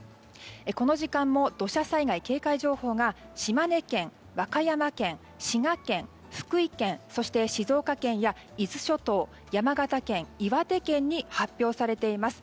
この時間も土砂災害警戒情報が島根県、和歌山県、滋賀県福井県、そして静岡県や伊豆諸島山形県、岩手県に発表されています。